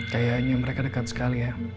kayaknya mereka dekat sekali ya